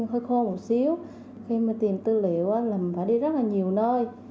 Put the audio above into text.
hơi khô một xíu khi mà tìm tư liệu là mình phải đi rất là nhiều nơi